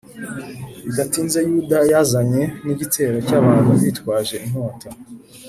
Bidatinze Yuda yazanye n igitero cy abantu bitwaje inkota